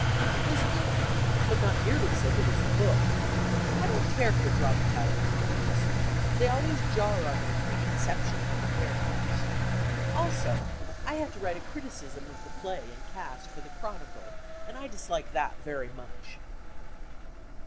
It was good but not nearly so good as the book. I don't care for dramatized novels. They always jar on my preconceptions of the charaaers. Also, I had to write a criticism of the play and cast for the Chronicle and I dislike that very much.